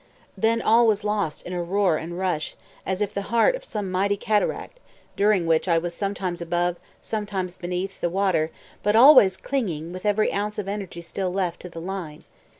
Then all was lost in roar and rush, as of the heart of some mighty cataract, during which I was sometimes above, sometimes beneath, the water, but always clinging, with every ounce of energy still left, to the line.